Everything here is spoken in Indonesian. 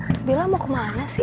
dibilang mau kemana sih